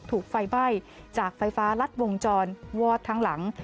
ถูกไฟไหม้จากไฟฟ้ารัดวงจรวอดทั้งหลัง